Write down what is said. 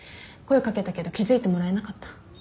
声掛けたけど気付いてもらえなかった。